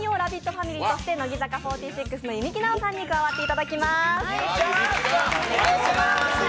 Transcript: ファミリーとして乃木坂４６の弓木奈於さんに加わっていただきます。